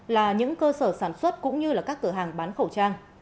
là những cơ sở sản xuất cũng như các cửa hàng bán khẩu trang